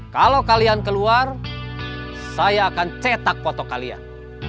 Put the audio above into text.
kalau kalian keluar saya akan cetak foto kalian